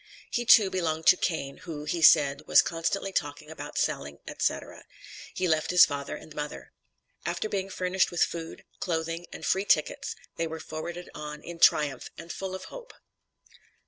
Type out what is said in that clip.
He too belonged to Cain who, he said, was constantly talking about selling, etc. He left his father and mother. After being furnished with food, clothing, and free tickets, they were forwarded on in triumph and full of hope.